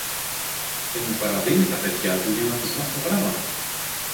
και μου παραδίνει τα παιδιά του να τους μάθω γράμματα.